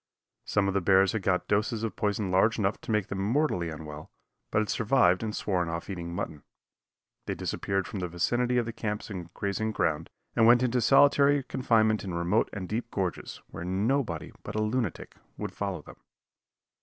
Some of the bears had got doses of poison large enough to make them mortally unwell, but had survived and sworn off eating mutton. They disappeared from the vicinity of the camps and grazing ground, and went into solitary confinement in remote and deep gorges, where nobody but a lunatic would follow them.